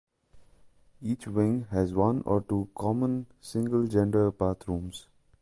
Each wing has one or two common, single gender bathrooms.